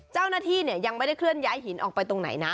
เจ้าหน้าที่ยังไม่ได้เคลื่อนย้ายหินออกไปตรงไหนนะ